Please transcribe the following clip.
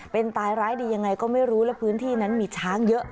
เป็นตายร้ายดียังไงก็ไม่รู้แล้วพื้นที่นั้นมีช้างเยอะ